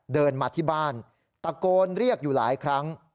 เดินมาที่บ้านตะโกนเรียกอยู่หลายครั้ง